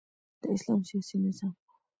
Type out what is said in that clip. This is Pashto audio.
د اسلام سیاسی نظام